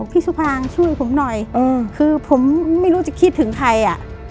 พี่สุภางช่วยผมหน่อยคือผมไม่รู้จะคิดถึงใครอ่ะ